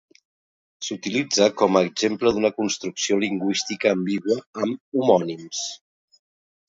S'utilitza com a exemple d'una construcció lingüística ambigua amb homònims.